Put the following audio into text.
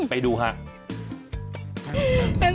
ไปดูห้าง